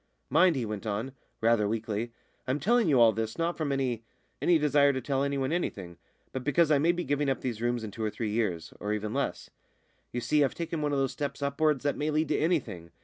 "Mind," he went on, rather weakly, "I'm telling you all this not from any any desire to tell anyone anything, but because I may be giving up these rooms in two or three years, or even less. You see, I've taken one of those steps upwards that may lead to anything.